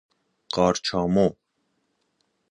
قارچامو